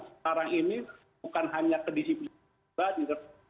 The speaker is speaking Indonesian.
sekarang ini bukan hanya kedisiplinan pribadi